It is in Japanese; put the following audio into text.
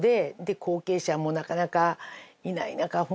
後継者もなかなかいない中本当に。